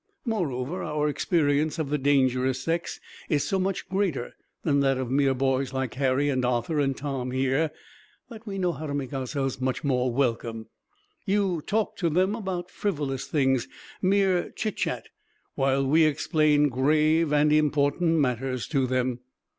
Moreover, our experience of the dangerous sex is so much greater than that of mere boys like Harry and Arthur and Tom here, that we know how to make ourselves much more welcome. You talk to them about frivolous things, mere chit chat, while we explain grave and important matters to them."